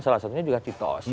salah satunya juga citos